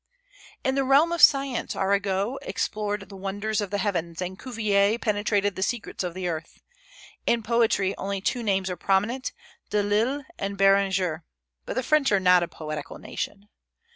In the realm of science Arago explored the wonders of the heavens, and Cuvier penetrated the secrets of the earth. In poetry only two names are prominent, Delille and Béranger; but the French are not a poetical nation.